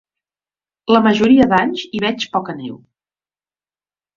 La majoria d'anys hi veig poca neu.